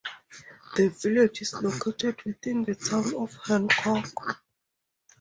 The village is located within the Town of Hancock.